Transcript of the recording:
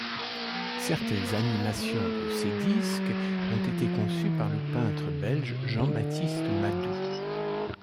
Certaines animations de ces disques ont été conçues par le peintre belge Jean-Baptiste Madou.